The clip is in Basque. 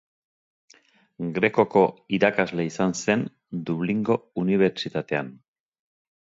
Grekoko irakasle izan zen Dublingo unibertsitatean.